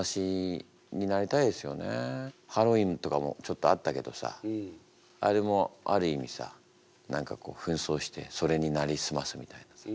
まあでももちょっとあったけどさあれもある意味さ何かこうふん装してそれになりすますみたいなさ。